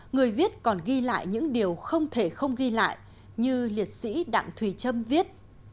người viết còn ghi lại những điều không thể không ghi lại như liệt sĩ đặng thùy trâm viết